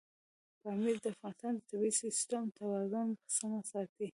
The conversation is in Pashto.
پامیر د افغانستان د طبعي سیسټم توازن په سمه ساتي.